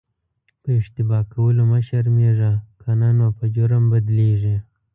په اشتباه کولو مه شرمېږه که نه نو په جرم بدلیږي.